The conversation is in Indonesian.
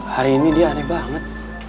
hari ini dia aneh banget